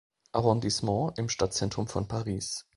Arrondissement im Stadtzentrum von Paris.